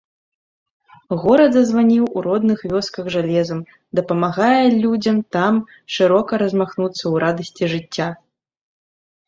Горад зазваніў у родных вёсках жалезам, дапамагае людзям там шырока размахнуцца ў радасці жыцця.